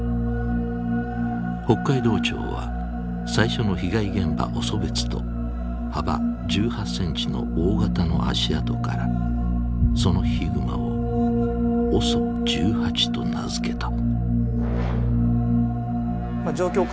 北海道庁は最初の被害現場オソベツと幅１８センチの大型の足跡からそのヒグマをＯＳＯ１８と名付けた。